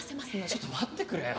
ちょっと待ってくれよ。